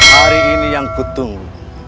hari ini yang kutunggu